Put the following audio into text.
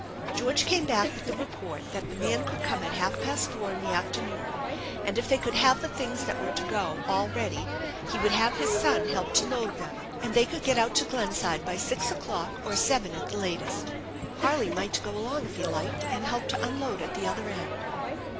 George came back with the report that the man could come at half past four in the afternoon ; and, if they could iiave the things that were to go all ready, he would have his son help to load them, and they could get out to Glenside by six o'clock or seven at the latest. Harley might go along if he liked, and help to unload at the other end.